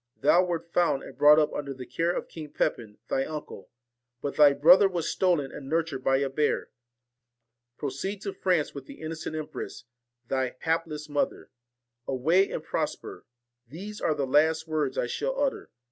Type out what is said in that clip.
Thou wert found and brought up under the care of King Pepin thy uncle, but thy brother was stolen and nurtured by a bear. Proceed to France with the innocent empress, thy hapless mother. Away, and prosper ! These are the last words I shall utter.